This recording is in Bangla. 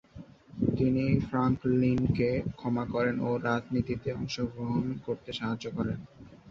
তিনি ফ্রাঙ্কলিনকে ক্ষমা করেন ও রাজনীতিতে অংশগ্রহণ করতে সাহায্য করেন।